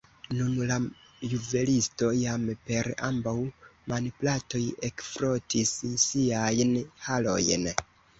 Nun la juvelisto jam per ambaŭ manplatoj ekfrotis siajn harojn.